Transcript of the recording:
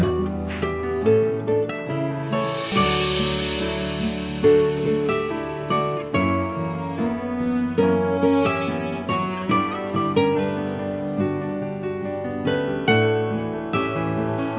aku gak akan pergi kemana mana mas